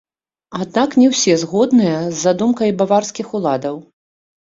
Аднак не ўсе згодныя з задумай баварскіх уладаў.